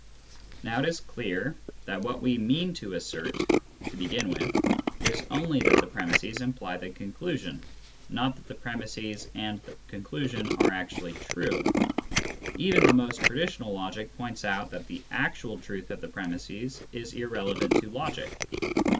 Now it is clear that what we mean to assert, to begin with, is only that the premisses imply the conclusion, not that premisses and conclusion are actually true ; even the most traditional logic points out that the actual truth of the premisses is irrelevant to logic.